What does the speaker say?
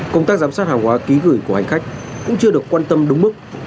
công tác giám sát hàng hóa ký gửi của hành khách cũng chưa được quan tâm đúng mức